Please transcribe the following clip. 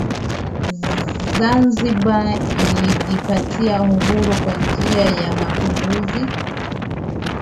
Zanzibar ilijipatia Uhuru kwa njia ya mapinduzi